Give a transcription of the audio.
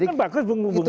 itu kan bagus bung